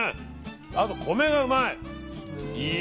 あと米がうまい！